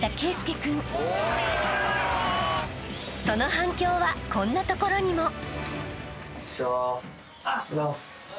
［その反響はこんなところにも］